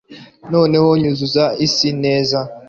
Noneho nyuzuza isi neza